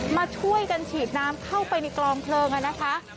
มาช่วยกันฉีดน้ำเข้าไปในกลองเพลิงนะคะ